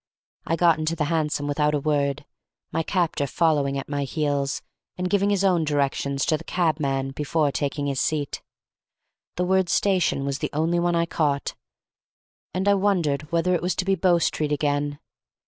I got into the hansom without a word, my captor following at my heels, and giving his own directions to the cabman before taking his seat. The word "station" was the only one I caught, and I wondered whether it was to be Bow Street again.